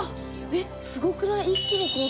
えっすごくない？